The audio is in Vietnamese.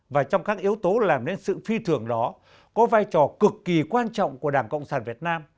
và trong các yếu tố làm nên sự phi thường đó có vai trò cực kỳ quan trọng của đảng cộng sản việt nam